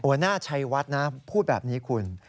หัวหน้าชัยวัดนะพูดแบบนี้คุณ